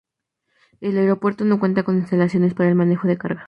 El aeropuerto no cuenta con instalaciones para el manejo de carga.